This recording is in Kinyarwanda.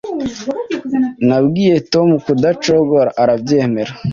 Nabwiye Tom kudacogora arabyemera